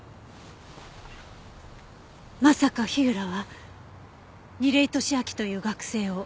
まさか火浦は楡井敏秋という学生を。